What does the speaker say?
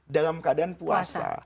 dalam keadaan puasa